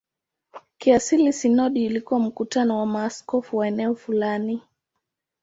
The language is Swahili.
Kiasili sinodi ilikuwa mkutano wa maaskofu wa eneo fulani.